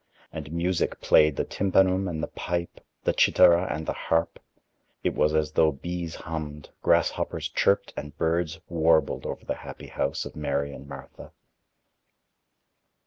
And music played the tympanum and the pipe, the cithara and the harp. It was as though bees hummed, grasshoppers chirped and birds warbled over the happy house of Mary and Martha.